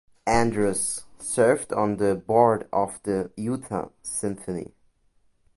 Andrus served on the board of the Utah Symphony.